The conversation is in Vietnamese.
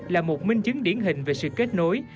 là một minh chứng điển hình về sự kết nối